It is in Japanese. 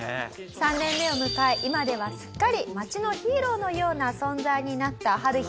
３年目を迎え今ではすっかり町のヒーローのような存在になったハルヒさんですが。